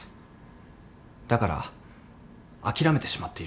だから諦めてしまっているんです。